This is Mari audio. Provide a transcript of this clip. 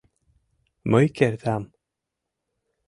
Мый кертам...